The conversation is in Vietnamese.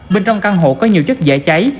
bên trong căn hộ có nhiều chất dễ cháy